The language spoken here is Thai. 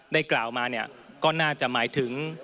ได้กล่าวมาเนี่ยก็น่าจะหมายถึง